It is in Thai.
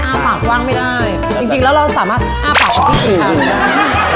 ใช่อ้าวปากว้างไม่ได้จริงจริงแล้วเราสามารถอ้าวปากว้างพี่ครับ